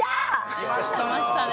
きましたね